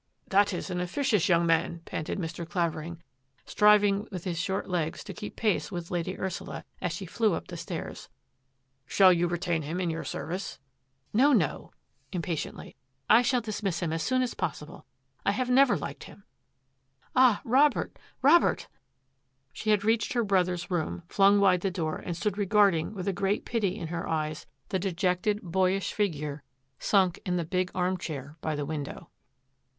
" That is an officious young man," panted Mr. Clavering, striving with his short legs to keep pace with Lady Ursula as she flew up the stairs. " Shall you retain him in your service ?"" No, no," impatiently, " I shall dismiss him as soon as possible. I have never liked him. Ah, Robert, Robert !" She had reached her brother's room, flung wide the door, and stood regarding, with a great pity in her eyes, the dejected, boyish figure sunk in the big armchair by the window.